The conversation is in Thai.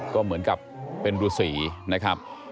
ก็เหมือนกับเป็นฤษีนะครับ